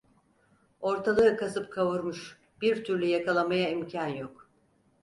Ortalığı kasıp kavurmuş, bir türlü yakalamaya imkân yok.